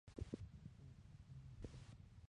Se distribuyen por China y Vietnam.